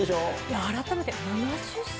改めて７０歳。